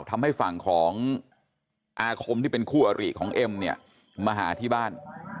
ทำให้ฝั่งของอาคมที่เป็นคู่อริของเอ็มเนี่ยมาหาที่บ้าน